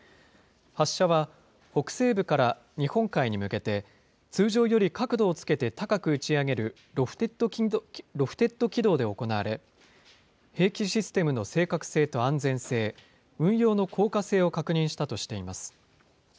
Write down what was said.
発射は北西部から日本海に向けて、通常より角度をつけて高く打ち上げるロフテッド軌道で行われ、兵器システムの正確性と安全性、運用の効果性を確認したとしています。